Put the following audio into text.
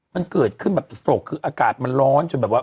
มันเกิดขึ้นแบบสโตรกคืออากาศมันร้อนจนแบบว่า